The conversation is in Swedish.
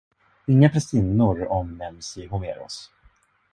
Inga prästinnor omnämns i Homeros.